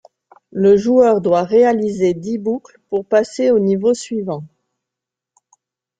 Le joueur doit réaliser dix boucles pour passer au niveau suivant.